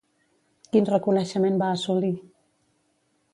Quin reconeixement va assolir?